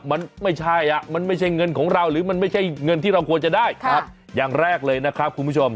มันไม่ใช่อ่ะมันไม่ใช่เงินของเราหรือมันไม่ใช่เงินที่เราควรจะได้อย่างแรกเลยนะครับคุณผู้ชม